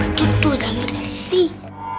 betul betul jangan berisik